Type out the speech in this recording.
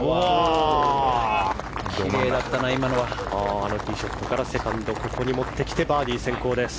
あのティーショットからここに持ってきてバーディー先行です。